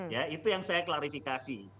ya itu yang saya klarifikasi